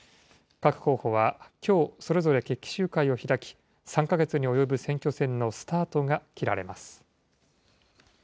各候補はきょう、それぞれ決起集会を開き、３か月に及ぶ選挙戦のスタートが切られます。